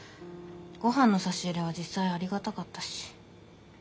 ごはんの差し入れは実際ありがたかったし。